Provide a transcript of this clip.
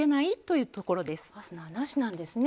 ファスナーなしなんですね。